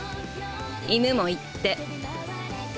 犬も言って！